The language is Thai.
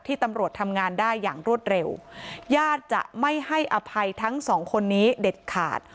ตำรวจทำงานได้อย่างรวดเร็วญาติจะไม่ให้อภัยทั้งสองคนนี้เด็ดขาด